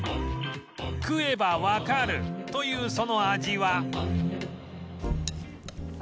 「食えばわかる」というその味は